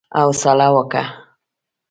حوصله وکه!